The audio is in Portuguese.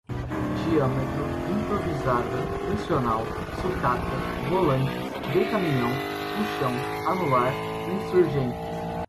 diâmetro, improvisada, funcional, sucata, volantes, decaminhão, puxão, anular, insurgentes